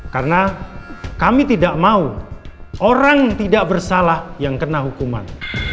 karena kami tidak mau orang tidak bersalah yang kena hukuman